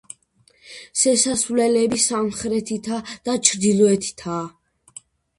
შესასვლელები სამხრეთითა და ჩრდილოეთითაა.